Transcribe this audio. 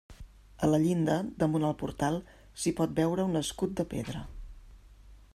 A la llinda, damunt el portal, s'hi pot veure un escut de pedra.